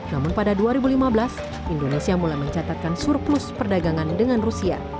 namun pada dua ribu lima belas indonesia mulai mencatatkan surplus perdagangan dengan rusia